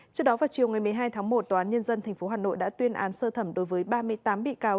trước đó vào chiều ngày một mươi hai tháng một tòa án nhân dân tp hà nội đã tuyên án sơ thẩm đối với ba mươi tám bị cáo